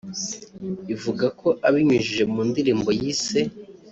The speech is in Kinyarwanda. ivugako abinyujije mu ndirimbo yise